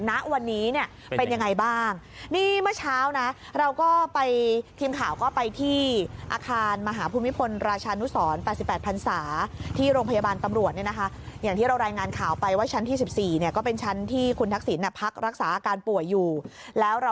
ณวันนี้เนี่ยเป็นยังไงบ้างนี่เมื่อเช้านะเราก็ไปทีมข่าวก็ไปที่อาคารมหาภูมิพลราชานุศร